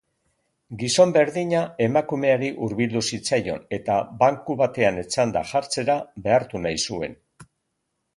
Gizon berdina emakumeari hurbildu zitzaion eta banku batean etzanda jartzera behartu nahi zuen.